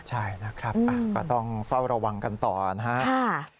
ใช่นะครับก็ต้องเฝ้าระวังกันต่อนะครับ